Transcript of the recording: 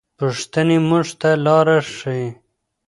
پوښتنې موږ ته لاره ښيي.